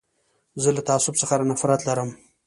زه له تعصب څخه نفرت لرم.